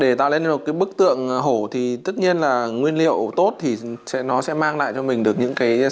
để tạo lên một cái bức tượng hổ thì tất nhiên là nguyên liệu tốt thì nó sẽ mang lại cho mình được những cái sản phẩm tốt